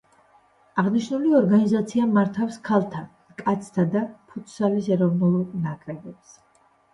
აღნიშნული ორგანიზაცია მართავს ქალთა, კაცთა და ფუტსალის ეროვნულ ნაკრებებს.